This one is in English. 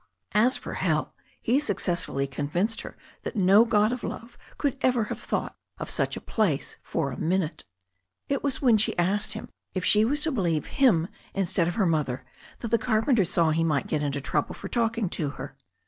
As for hell, he successfully convinced her that no god of love could ever have thought of such a place for a minute. <: It was when she asked him if she was to believe him instead of her mother that the carpenter saw he might get into trouble for talking to her.